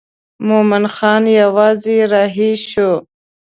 مومن خان یوازې رهي شو.